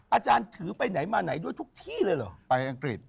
อาจารย์ถือไปไหนมาไหนด้วยทุกที่เลยเหรอไปอังกฤษ